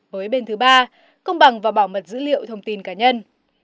với bên thứ ba công bằng và bảo mật dữ liệu thông tin cá nhân